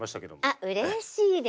あっうれしいです。